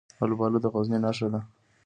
الوبالو د غزني نښه ده.